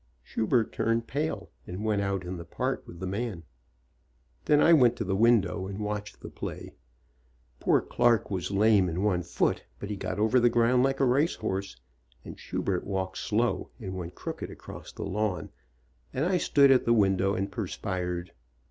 Schubert turned pale and went out in the park with the man. Then I went to the window and watched the play. Poor Clark was lame in one foot, but he got over the ground like a race horse, and Schubert walked slow, and went crooked across the lawn, and I stood at the window and perspired.